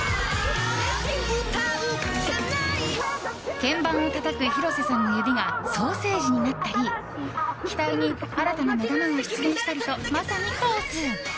鍵盤をたたく広瀬さんの指がソーセージになったり額に新たな目玉が出現したりとまさにカオス。